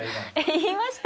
言いました？